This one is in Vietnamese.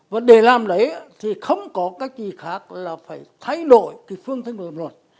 và để làm đấy thì không có cách gì khác là phải thay đổi cái phương thanh của luật